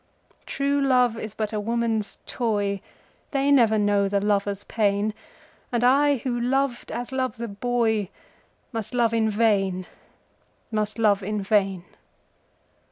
True love is but a woman's toy, They never know the lover's pain, And I who loved as loves a boyMust love in vain, must love in vain.